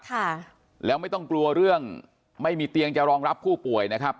ค่ะแล้วไม่ต้องกลัวเรื่องไม่มีเตียงจะรองรับผู้ป่วยนะครับ